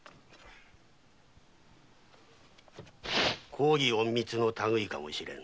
公儀隠密の類かもしれぬ。